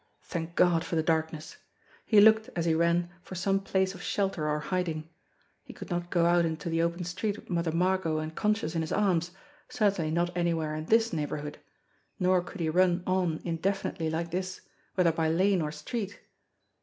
Thank God for the darkness ! He looked, as he ran, for some place of shelter or hiding. He could not go out into the open street with Mother Margot unconscious in his arms certainly not anywhere in this neighbourhood; nor could he run on indefinitely like this, whether by lane or street.